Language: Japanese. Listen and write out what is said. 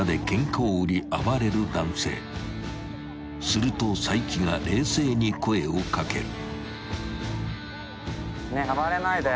［すると齋木が冷静に声を掛ける］